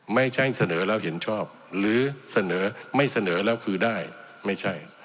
ไม่ใช่เสนอแล้วเห็นชอบหรือเสนอไม่เสนอแล้วคือได้ไม่ใช่